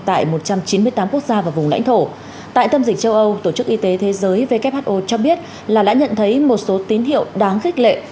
tại một trăm chín mươi tám quốc gia và vùng lãnh thổ tại tâm dịch châu âu tổ chức y tế thế giới who cho biết là đã nhận thấy một số tín hiệu đáng khích lệ